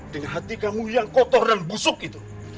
dengan hati kamu yang kotor dan busuk itu